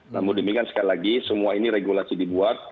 namun demikian sekali lagi semua ini regulasi dibuat